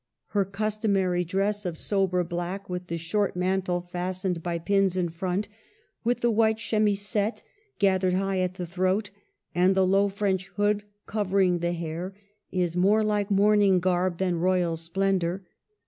Her customary dress of sober black, with 212 MARGARET OF ANGOULEME. the short mantle fastened by pins in front, with the white chemisette gathered high at the throat, and the low French hood covering the hair, is more like mourning garb than royal splendor.